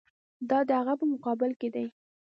دا د هغه په مقابل کې دي.